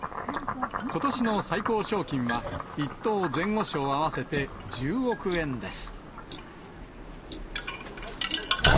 ことしの最高賞金は、１等前後賞合わせて１０億円です。